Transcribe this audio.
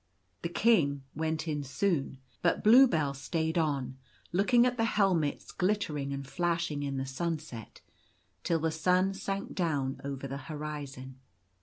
The king went in soon, but Bluebell stayed on, looking at the helmets glittering and flashing in the sunset till the sun sank down over the horizon.